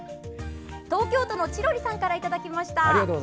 東京都のちろりさんからいただきました。